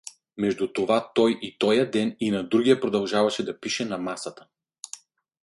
Между това той и тоя ден, и на другия продължаваше да пише на масата.